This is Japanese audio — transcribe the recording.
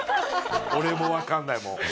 俺もわかんないもん。